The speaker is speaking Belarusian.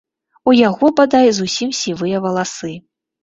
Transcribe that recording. У яго, бадай, зусім сівыя валасы.